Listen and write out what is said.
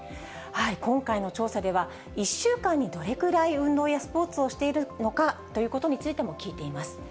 今回の調査では、１週間にどれくらい運動やスポーツをしているのかということについても聞いています。